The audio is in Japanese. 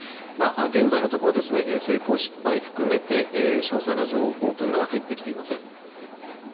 現在のところ成功・失敗含めて詳細な情報というのは入ってきていません。